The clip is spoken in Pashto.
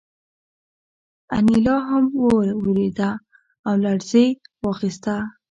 انیلا هم وورېده او لړزې واخیسته